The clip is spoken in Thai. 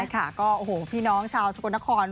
ค่ะก็โอ้โหพี่น้องชาวสกลนคร